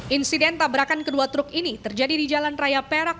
insiden tabrakan kedua truk ini terjadi di jalan raya perak